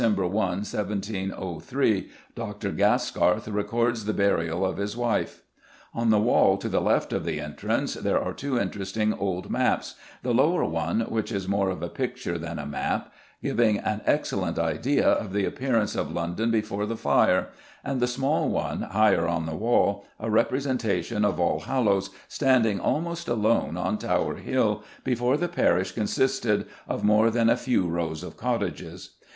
1, 1703, Dr. Gaskarth records the burial of his wife. On the wall, to the left of the entrance, there are two interesting old maps, the lower one, which is more of a picture than a map, giving an excellent idea of the appearance of London before the Fire, and the small one, higher on the wall, a representation of Allhallows, standing almost alone on Tower Hill, before the parish consisted of more than a few rows of cottages.